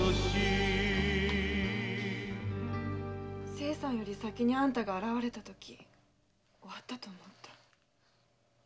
清さんより先にあんたが現れたとき“終わった”と思った。